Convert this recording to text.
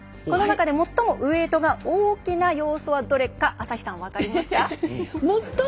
この中で、最も点数のウエイトが大きな要素はどれか朝日さん、分かりますか？